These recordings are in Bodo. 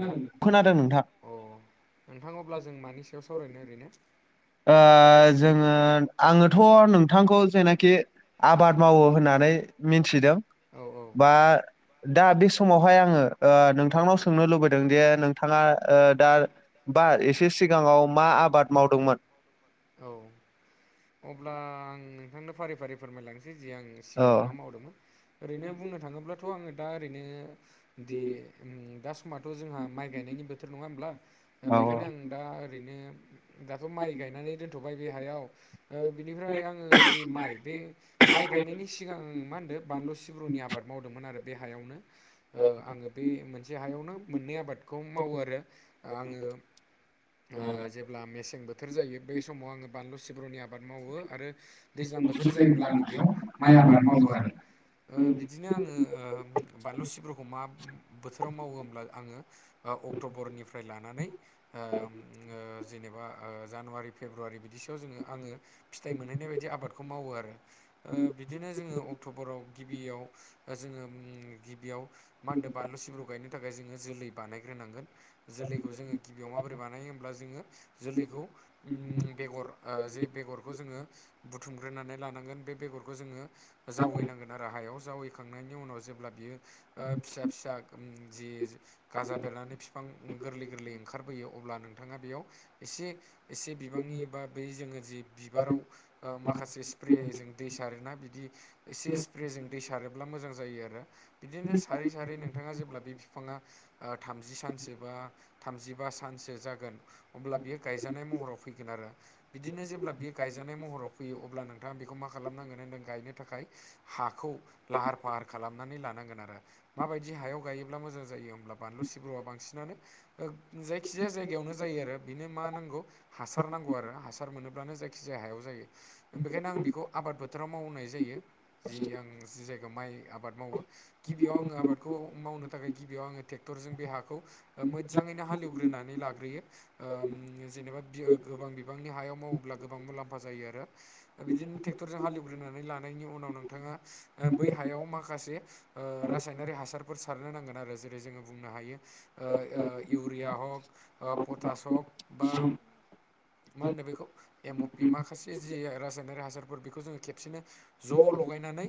ना खोनादों नोंथां। अ नोंथां अब्ला जों मानि सायाव सावरायनो ओरैनो जोङो आङोथ' नोंथांखौ जेनाखि आबाद मावो होननानै मिथिदों औ बा दा बे समावहाय आङो नोंथांनाव सोंनो लुबैदों जे नोंथाङा दा बा एसे सिगाङाव मा आबाद मावदोंमोन औ अब्ला आं नोंथांनो फारि फारि फोरमायलांसै जे आं औ सिगाङाव मा मावदोंमोन। ओरैनो बुंनो थाङोब्लाथ' आङो दा ओरैनो दि द समाथ' जोंहा माइ गायनायनि बोथोर नङा होमब्ला औ बेखायनो आं दा ओरैनो दाथ' माइ गायनानै दोनथ'बाय बे हायाव बिनिफ्राय आङो जि माइ बे माइ गायनायनि सिगां मा होनदों बानलु सिब्रुनि आबाद मावदोंमोन आरो बे हायावनो आङो बे मोनसे हायावनो मोननै आबादखौ मावो आरो आङो जेब्ला मेसें बोथोर जायो बै समाव आङो बानलु सिब्रनि आबाद आब मावो आरो दैज्लां बोथोर जायोब्ला आङो बेयाव माइ आबाद मावो आरो बिनो बिदिनो आङो बानलु सिब्रफोरखौ मा बोथोराव मावो होमब्ला आङो अक्ट'बरनिफ्राय लानानै जेनेबा जानुवारि फेब्रुवारि बिदिसोआव जोङो आङो फिथाइ मोनहैनाय बायदि आबादखौ मावो आरो बिदिनो जोङो अक्ट'बराव गिबियाव जोङो गिबियाव मा होनो बानलु सिब्रु गायनो थाखाय जोङो जोलै बानायग्रोनांगोन जोलैखौ जोङो गिबियाव माबोरै बानायो होमब्ला जोङो जोलैखौ बेगर जे बेगरखौ जोङो बुथुमग्रोनानै लानांगोन बे बेगरखौ जोङो जावैनांगोन आरो हायाव जावैखांनायनि उनाव जेब्ला बियो फिसा फिसा जि गाजा बेरनानै बिफां गोरलै गोरलै ओंखारबोयो अब्ला नों नोंथाङा बेयाव एसे एसे बिबांनि बा बै जोङो जि बिबाराव माखासे स्प्रे जों दै सारोना बिदि एसे स्प्रे जों दै सारोब्ला मोजां जायो आरो बिदिनो सारै सारै नोंथाङा जेब्ला बे बिफाङा थामजि सानसो बा थामजिबा सानसो जागोन अब्ला बियो गाय जानाय महराव फैगोन आरो बिदिनो जेब्ला बियो गायजानाय महराव फैयो अब्ला नोंथाङा बेखौ मा खालामनांगोन होनदों गायनो थाखाय हाखौ लाहार फाहार खालामनानै लानांगोन आरो माबायदि हायाव गायोब्ला मोजां जायो होमब्ला बानलु सिब्रुआ बांसिनानो जायखिजाया जायगायावनो जायो आरो बेनो मा नांगौ हासार नांगौ आरो हासार मोनोब्लानो जाय जायखिजाया हायाव जायो बेखायनो आं बेखौ आबाद फोथाराव मावनाय जायो जि आं जि जायगायाव माइ आबाद मावो गिबियाव आङो आबादखौ मावनो थाखाय गिबियाव आङो ट्रेक टेक्टर जों बे हाखौ मोजाङैनो हालेवग्रोनानै लाग्रोयो। बि गोबां बिबांनि हायाव मावोब्ला गोबां मुलाम्फा जायो आरो बिदिनो ट्रेक्टरजों हालिवग्रोनानै लानायनि उनाव नोंथाङा बै हायाव माखासे रासायनारि हासारफोर सारनो नांगोन आरो जेरै जोङो बुंनो हायो। इउरिया हक पटास हक बा मा होनो बेखौ एम अ पि माखासे जि रासायनारिक हासारफोर बेखौ जोङो खेबसेनो ज' लगायनानै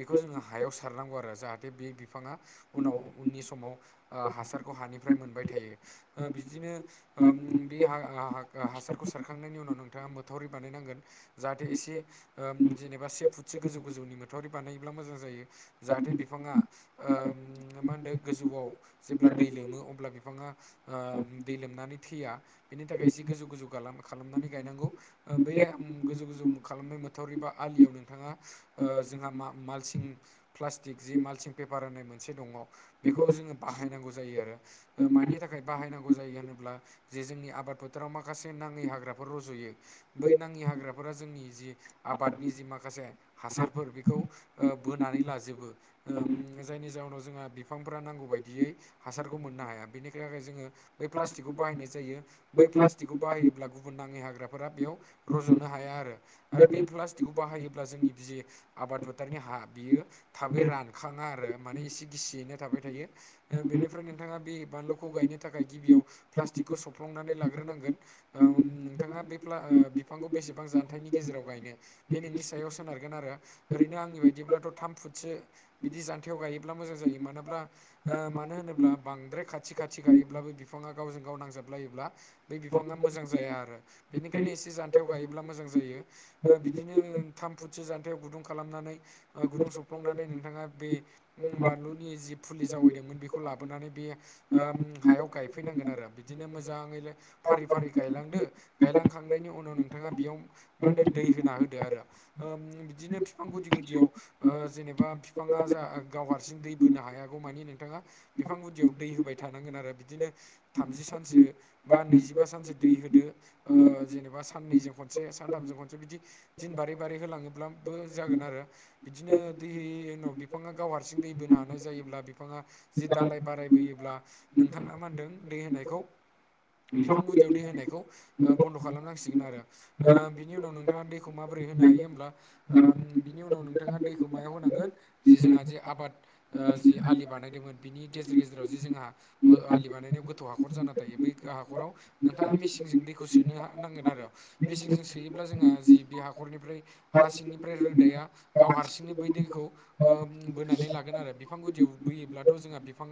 बेखौ जोङो हायाव सारनांगौ आरो जाहाथे बे बिफाङा उनाव उननि समाव हासारखौ हानिफ्राय मोनबाय थायो बिदिनो बे हासारखौ सारखांनायनि उनाव नोंथाङा मोथावरि बानायनांगोन जाहाथे एसे जेनेबा से फुटसेो गोजौ गोजौनि मोथावरि बानायोबब्ला मोजां जायो जाहाथे बिफाङा मा होनो गोजौआव जेब्ला दै लोमो अब्ला बिफाङा ओ दै लोमनानै थैया बेनि थाखाय एसे गोजौ गोजौ गालाम खालामनानै गायनांगौ। ओ बेै ओम गोजौ गोजौ खालामनाय मोथावरि बा आलियाव नोंथाङा ओ जोंहा मा-मालसिं प्लास्टिक जि माल्सिं पेपार होननाय मोनसे दङ बेखौ जोङो बाहायनांगौ जायो आरो। मानि थाखाय बाहायनांगौ जायो होनोब्ला जे जोंनि आबाद फोथाराव माखासे नाङै हाग्राफोर रज'यो बै नाङि हाग्राफोरा जोंनि जि आबादनि जि माखासे हासारफोर बेखौ बोनानै लाजोबो जायनि जााहोनाव जोंहा बिफांफोरा नांगौ बायदियै हासारखौ मोननो हाया बेनि जोङो बै प्लास्टिकखौ बाहायनाय जायो बै प्लास्टिकखौ बाहायोब्ला गुबुन नाङै हाग्राफोरा बेयाव रज'नो हाया आरो आरो बे प्लास्टिकखौ बाहायोब्ला जोंनि बि आबाद फोथारनि हा बियो थाबै रानखाङा आरो माने एसे गिसियैनो थाबाय थायो ओ बेनिफ्राय नोंथाङा बे बानलुखौ गायनो थाखाय गिबियाव प्लास्टिकखौ सफ्लंनानै लाग्रोनांगोन ओम नोंथाङा बे प्ला ओ बिफांखौ बेसेबां जानथायनि गेजेराव गायनो बे नोंनि सायाव सोनारगोन आरो ओरैनो आंनि बायदिब्लाथ' थाम फुटसो बिदि जान्थायाव गायोब्ला मोजां जायो मानोब्ला ओ मानो होनोब्ला बांद्राय खाथि खाथि गायोब्लाबो बिफाङा गावजों गाव गाव नांजाबलायोब्ला बै बिफाङा मोजां जाया आरो बेनिखायनो एसे जान्थायाव गायोब्ला मोजां जायो। ओ बिदिनो थाम फुटसो जान्थायाव गुदुं खालामनानै ओ गुदुं सफ्लंनानै नोंथाङा बे उम बानलुनि जि फुलि जावैदोंमोन बेखौ लाबोनानै बे ओम हायाव गायफैनांगोन आरो बे। बिदिनो मोजाङैनो फारि फारि गायलांदो गायलांखांनायनि उनाव नोंथाङा बेयाव मान होनो दै होना होदो आरो। ओम बिदिनो फिफां गुदि गुदियाव ओ जेनेबा फिफाङा जा गाव हारसिं दै बोनो हायागौमानि नोंथाङा बिफां गुदियाव दै होबाय थानांगोन आरो बिदिनो थामजि सानसो बा नैजिबा सानसो दै होदो ओ जेनेबा साननैजों खनसे सानथामजों खनसे बिदि दिन बारै बारै होलाङोब्लाबो जागोन आरो। बिदिनो दै होयै होयै उनाव बिफाङा गाव हारसिं दै बोनो हानाय जायोब्ला बिफाङा जि दालाय बारायबोयोब्ला नोंथाङा मा होनदों दै होनायखौ बिफां गुदियाव दै होनायखौ ओ बन्द' खालामनांसिगोन आरो। ओ बिनि उनाव नोंथाङा दैखौ माबोरै होनो हायो होमब्ला ओम बिनि उनाव नोंथाङा दैखौ मायाव होनांगोन जे जोंहा जे आबाद ओ जि आलि बानायदोंमोन बिनि गेजेर गेजेराव जि जोंहा आलि बानायनायाव गोथौ हाखर जाना थायो बै हाखराव नोंथाङा मेसिनजों दैखौ सोनो नांगोन आरो। मेसिनजों सोयोब्ला जोंहा जि बे हाखरनिफ्राय हा सिंनिफ्राय रोदाया गाव हारसिंनो बै दैखौ ओ बोनानै लागोन आरो बिफां गुदियाव बोयोब्लाथ' जोंहा बिफां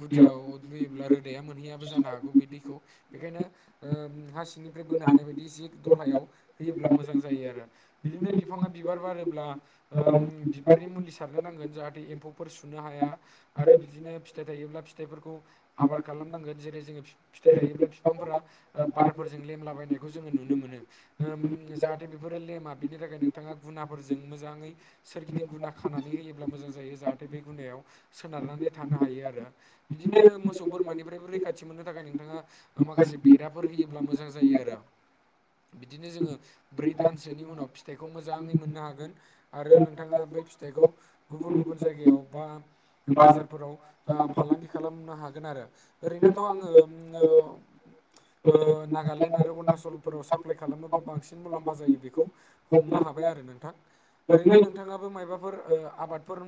गुदियाव लुयोब्ला रोदाया मोनहैयाबो जानो हागौ। गुबे दैखौ बेखायनो ओम हा सिंनिफ्राय बोनो हानाय बायदि जि दहलायाव होयोब्ला मोजां जायो आरो बिदिनो बिफाङा बिबार बारोब्ला ओम बिबारनि मुलि सारनो नांगोन जाहाथे एम्फौफोर सुनो हाया आरो बिदिनो फिथाइ थायोब्ला फिथाइफोरखौ आबाद खालामनांगोन जेरै जोङो फिथाइ थायोब्ला बिफांफोरा ओ बारफोरजों लेमलाबायनायखौ जोङो नुनो मोनो। ओम जाहाथे बेफोरो लेमा बिनि थाखाय नोंथाङा गुनाफोरजों मोजाङै सोरगिदिं गुना खानानै होयोब्ला मोजां जायो जाहाथे बे गुनायाव सोनारनानै थानो हायो आरो। बिदिनो मोसौ बोरमानिफ्रायबो रैखाथि मोननो थाखाय नोंथाङा माखासे बेराब फोर होयोब्ला मोजां जायो आरो। बिदिनो जोङो ब्रै दानसोनि उनाव फिथाइखौ मोजाङै मोननो हागोन। आरो नोंथाङा बै फिथाइखौ गुबुन गुबुन जायगायाव बा बाजारफोराव ओ फालांगि खालामनो हागोन आरो ओरैनोथ' आङो औ। ओ नागालेण्ड आरो अरुणाचलफोराव साप्लाइ खालामोबा बांसिन मुलाम्फा जायो बेखौ हमनो हाबाय आरो नोंथां ओरैनो नोंथाङाबो मायबाफोर आबादफोर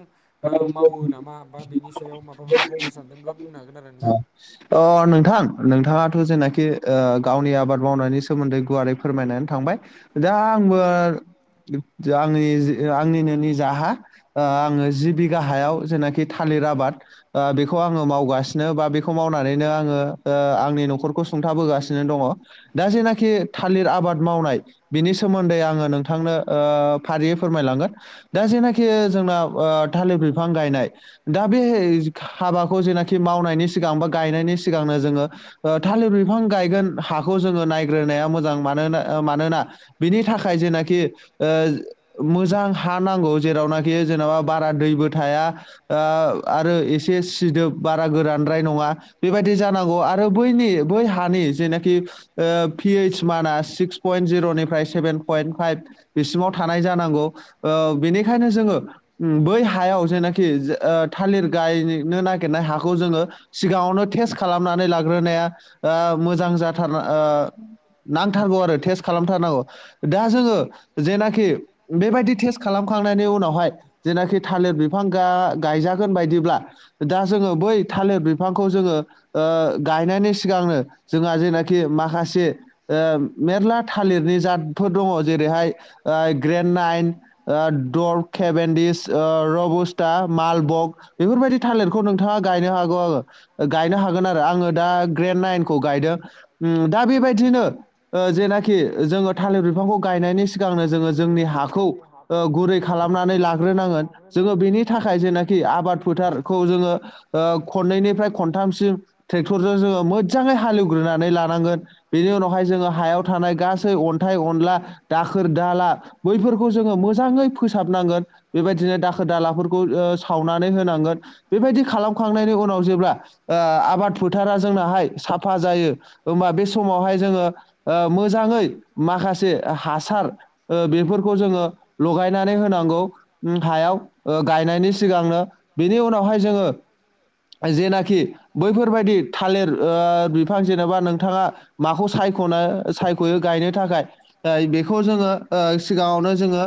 मावो नामा बा बेनि सायाव माबाफोर बुंनो सानदोंब्ला बुंनो हागोन आरो नोंथां अ नोंथां नोंथाङाथ' जेनाखि गावनि आबाद मावनायनि सोमोन्दै गुवारै फोरमायनानै थांबाय दा आंबो आंनि आंनिनो निजा हा ओ आङो जि बिघा हायाव जेनाखि थालिर आबाद ओ बेखौ आङो मावगासिनो बा बेखौ खौ मावनानैनो आङो आंनि न'खरखौ सुंथाबोगासिनो दङ। दा जेनाखि थालिर आबाद मावनाय बिनि सोमोन्दै आङो नोंथांनो ओ फारियै फोरमायलांगोन दा जेना जोंना थालिर बिफां गायनाय दा बे हाबाखौ जेनाखि मावनायनि सिगां बा गायनायनि सिगांनो जोङो थालिर बिफां गायगोन हाखौ जोङो नायग्रोनाया मोजां मानोना मानोना बिनि थाखाय जेनाखि मोजां हा नांगौ जेरावनाखि जेनेबा बारा दैबो थाया आरो एसे सिदोब बारा गोरानद्राय नङा बेबायदि जानांगौ आरो बैनि बै हानि जेनाखि पिइद माना पयन्ट जिर'निफ्राय सेभेन पयन्ट फाइभ बिसिमाव थानाय जानांगौ बेनिखायनो जोङो बै हायाव जायनाखि थालिर गायनो नागिरनाय हाखौ जोङो सिगाङावनो टेस्ट खालामनानै लाग्रोनाया मोजां जाथार नांथारगौ आरो थेस खालामथारनांगौ दा जोङो जेनाखि बेबायदि टेस्ट खालामखांनायनि उनावहाय जेनाखि थालिर बिफां गायजागोन बायदिब्ला दा जोङो बै थालिर बिफांखौ जोङो गायनायनि सिगांनो जोंहा जेनाखि माखासे ओ मेरला थालिरनि जादफोर दङ जेरैहाय ग्रेनाइन दर केबन्डिस रबस्टा मालबक बेफोरबायदि थालिरखौ नोंथाङा गायनो हागोन अ गायनो हागोन आरो आङो दा ग्रेनाइनखौ गायदों दा बेबायदिनो जेनाखि जोङो थालिर बिफांखौ गायनायनि सिगांनो जोङो जोंनि हाखौ गुरै खालामनानै खालामनानै लाग्रोनांगोन जोङो लाग्रोनांगोन बेनि थाखाय जेनाखि आबाद फोथारखौ जोङो खननैनिफ्राय खनथामसिम ट्रेक्टरजों जोङो मोजाङै हालेवग्रोनानै लानांगोन बेनि उनावहाय जोङो हायाव थानाय गासै अन्थाइ अनला दाखोर दाला बैफोरखौ जोङो मोजाङै फोसाबनांगोन बेबायदिनो दाखोर दालाफोरखौ सावनानै होनांगोन बेबायदि खालामखांनायनि उनाव जेब्ला आबाद फोथारा जोंनाहाय साफा जायो होमबा बे समावहाय जोङो मोजाङै माखासे हासार बेफोरखौ जोङो लगायनानै होनांगौ हायाव गायनायनि सिगांनो बेनि उनावहाय जोङो जेनाखि बैफोरबायदि थालिर बिफां जेनेबा नोंथाङा माखौ सायख'नो सायख'यो गायनो थाखाय बेखौ जोङो सिगाङावनो जोङो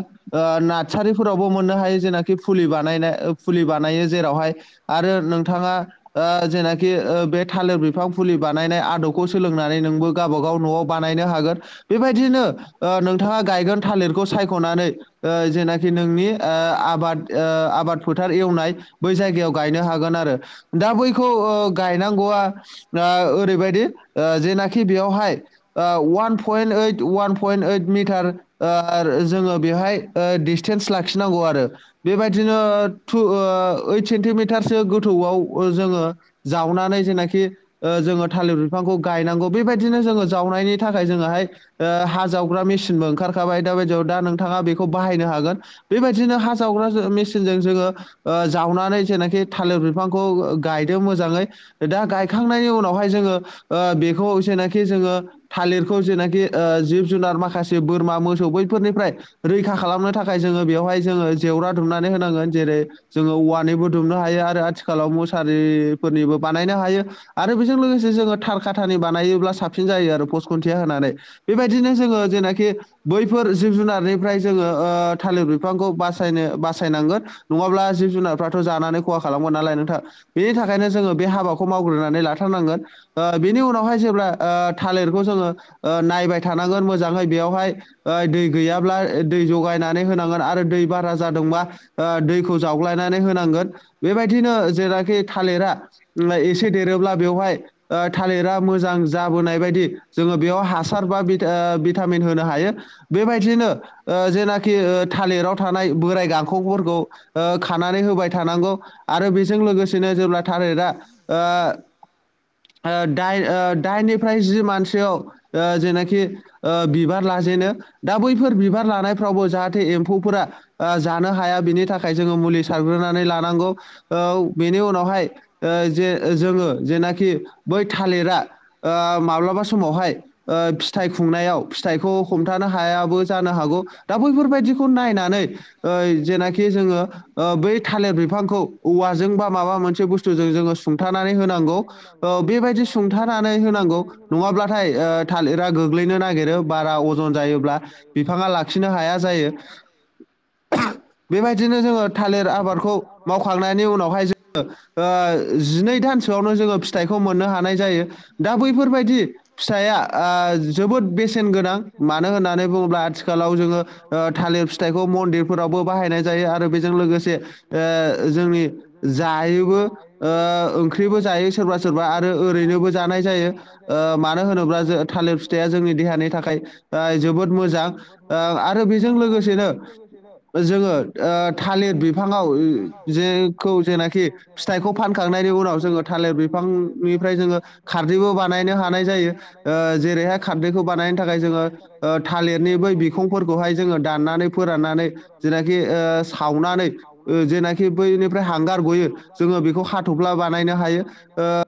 नार्सारिफोरावबो मोननो हायो जेनाखि फुलि बानायनाय फुलि बानायो जेरावहाय आरो नोंथाङा जेनाखि बे थालिर बिफां फुलि बानायनाय आदबखौ सोलोंनानै नोंबो गावबागाव न'आव बानायनो हागोन बेबायदिनो नोंथाङा गायगोन थालिरखौ सायख'नानै जेनाखि नोंनि आबाद आबाद फोथार एवनाय बै जायगायाव गायनो हागोन आरो दा बैखौ गायनांगौआ ओरैबायदि जेनाखि बेयावहाय one point eight one point eight metre ओ जोङो बेवहाय ओ डिसटेन्स लाखिनांगौ आरो बेबायदिनो थु ओ ओइट सेन्टिमिटारसो गो थौआव ओ जोङो जावनानै जेनाखि ओ जोङो थालिर बिफांखौ गायनांगौ बेबायदिनो जोङो जावनायनि थाखाय जोङोहाय हाजावग्रा मेसिनबो ओंखारखाबाय दा बायदियाव दा नोंथाङा बेखौ बाहायनो हागोन बेबायदिनो हा जावग्रा मेसिनजों जोङो जावनानै जेनाखि थालिर बिफांखौ गायदों मोजाङै दा गायखांनायनि उनावहाय जोङो बेखौ जेनाखि जोङो थालिरखौ जेनाखि ओ जिब जुनार माखासे बोरमा मोसौ बैफोरनिफ्राय रैखा खालामनो थाखाय जोङो बेवहाय जोङो जेवरा दुमनानै होनांगोन जेरै जोङो औवानिबो दुमनो हायो आरो आथिखालाव मुसारिफोरनिबो बानायनो हायो आरो बेजों लोगोसे जोङो थालखाटानि बा नायोब्ला साबसिन जायो आरो पस खुन्थिया होनानै बेबायदिनो जोङो जेनाखि बैफोर जिब जुनारनिफ्राय जोङो ओ थालिर बिफांखौ बासायनो बासायनांगोन। नङाब्ला जिब जुनारफ्राथ' जानानै खहा खालामगोन नालाय नोंथा बेनि थाखायनो जोङो बे हाबाखौ मावग्रोनानै लाथारनांगोन। ओ बिनि उनावहाय जेब्ला ओ थालिरखौ जोङो ओ नायबाय थानांगोन मोजाङै बेयावहाय ओ दै गैयाब्ला दै जगायनानै होनांगोन आरो दै बारा जादोंबा ओ दैखौ जावग्लायनानै होनांगोन बेबायदिनो जेनाखि थालिरा एसे देरोब्ला बेवहाय ओ थालिरा मोजां जाबोनाय बायदि जोङो बेयाव हासार बा बित ओ भिटामिन होनो हायो। बेबायदिनो ओ जेनाखि ओ थालिराव थानाय बोराइ गांखंफोरखौ ओ खानानै होबाय थानांगौ। आरो बेजों लोगोसेनो जेब्ला थारेटआ ओ ओ दाइन ओ दाइननिफ्राय जि मानसेयाव ओ जेनाखि ओ बिबार लाजेनो दा बैफोर बिबार लानायफ्रावबो जाहाथे एम्फौफोरा ओ जानो हाया बिनि थाखाय जोङो मुलि सारग्रोनानै लानांगौ। औ बेनि उनावहाय ओ जे जोङो जेनाखि बै थालिरा ओ माब्लाबा समावहाय ओ फिथाइ खुंनायाव फिथाइखौ हमथानो हायाबो जानो हागौ दा बैफोरबायदिखौ नायनानै ओ जेनाखि जोङो ओ बै थालिर बिफांखौ औवाजों बा माबा मोनसे बुस्थुजों जोङो सुंथानानै होनांगौ ओ बेबायदि सुंथानानै होनांगौ नङाब्लाथाय ओ थालिरा गोग्लैनो नागिरो बारा अजन जायोब्ला बिफाङा लाखिनो हाया जायो। बेबायदिनो जोङो थालिर आबादखौ माव खांनायनि उनावहाय जोङो ओ जिनै दानसोआवनो जोङो फिथाइखौ मोननो हानाय जायो दा बैफोरबायदि फिथाइया ओ जोबोद बेसेन गोनां। मानो होननानै बुङोब्ला आथिखालाव जोङो ओ थालिर फिथाइखौ मन्दिरफोरावबो बाहायनाय जायो आरो बेजों लोगोसे ओ जोंनि जायोबो ओ ओंख्रिबो जायो सोरबा सोरबा आरो ओरैनोबो जानाय जायो। [unintelligible] ओ मानो होनोब्ला मानो होनोबा थालिर जो फिथाइया थालिर जोंनि फिथाइया देहानि जोंनि थाखाय देहानि नि ओ थाखाय जोबोद दां मोजां जोबोद ओ मोजां आरो ओ बेजों आरो लोगोसेनो बेजों लोगोसेनो जोङो ओ थालिर बिफाङाव जेखौ जेनाखि फिथाइखौ फानखांनायनि उनाव जोङो थालिर बिफांनिफ्राय जोङो खारदैबो बानायनो हानाय जायो ओ जेरैहाय खारदैखौ बानायनो थाखाय जोङो ओ थालिरनि बै बिखंफोरखौहाय जोङो दाननानै फोराननानै जेनाखि ओ सावनानै ओ सावनानै जेनाखि बैनिफ्राय हांगार गयो जोङो बेखौ हाथफ्ला बानायनो हायो ओ